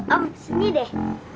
am sini deh